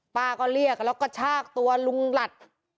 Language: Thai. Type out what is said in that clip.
ป้าก็เรียกแล้วก็ชากตัวลุงหลัด